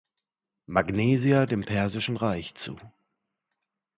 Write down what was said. Magnesia dem persischen Reich zu.